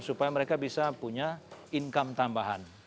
supaya mereka bisa punya income tambahan